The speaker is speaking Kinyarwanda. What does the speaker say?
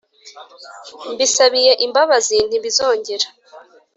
Mbisabiye imbabazi ntibizongera